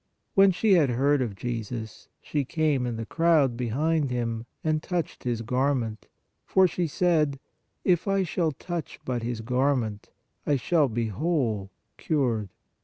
When she had heard of Jesus, she came in the crowd behind Him and touched His garment, for she said : If I shall touch but His garment, I shall be whole THE WOMAN ILL 12 YEARS 95 (cured).